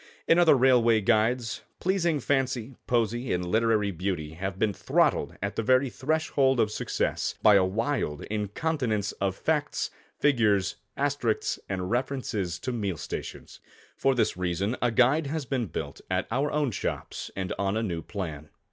In other Railway Guides, pleasing fancy, poesy and literary beauty, have been throttled at the very threshold of success, by a wild incontinence of facts, figures, asterisks and references to meal stations. For this reason a guide has been built at our own shops and on a new plan.